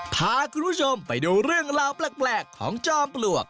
พาคุณผู้ชมไปดูเรื่องราวแปลกของจอมปลวก